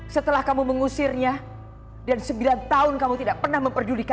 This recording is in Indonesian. setelah kamu mengusirnya dan sembilan tahun kamu tidak pernah memperjudikan